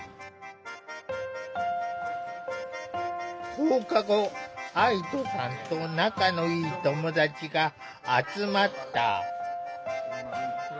放課後愛土さんと仲のいい友達が集まった。